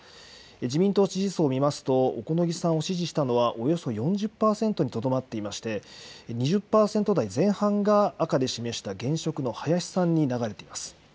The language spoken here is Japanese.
自民党支持層を見ますと小此木さんを支持したのはおよそ４０％にとどまっていまして２０％台前半が赤で示した現職の林さんに流れています。